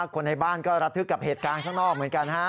คนในบ้านก็ระทึกกับเหตุการณ์ข้างนอกเหมือนกันฮะ